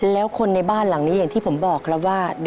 แล้วคนในบ้านหลังนี้อย่างที่ผมบอกครับว่า